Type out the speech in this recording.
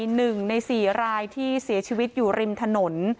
หนึ่งในสี่รายที่เสียชีวิตอยู่ริมถนน